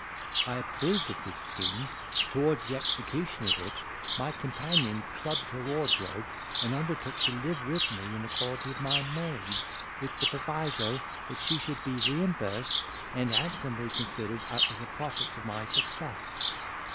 I approved of this scheme, towards the execution of which my companion clubbed her wardrobe, and undertook to live with me in quality of my maid, with the proviso that she should be reimbursed and handsomely considered out of the profits of my success.